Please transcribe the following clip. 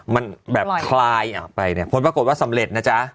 มันแบบคลายไปเนี่ยผลปรากฏว่าสำเร็จนะจ๊ะ